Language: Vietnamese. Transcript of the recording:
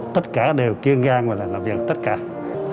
tất cả đều kiên giang và làm việc tất cả